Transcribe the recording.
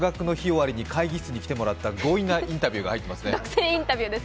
終わりに会議室に来てもらった強引なインタビューが入ってますね。